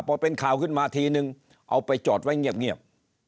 พอเป็นข่าวขึ้นมาทีนึงเอาไปจอดไว้เงียบ